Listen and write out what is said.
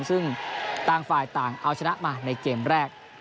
ซึ่งต่างฝ่ายต่างเอาชนะมาในเกมแรก